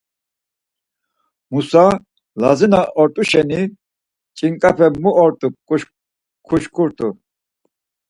Musa, Lazi na ort̆u şeni Ç̌inǩape mu ort̆u kuşǩurt̆u.